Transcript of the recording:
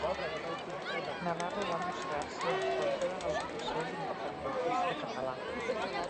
Navarro va mostrar-se en contra el procés independentista català.